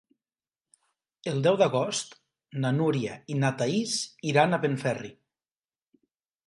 El deu d'agost na Núria i na Thaís iran a Benferri.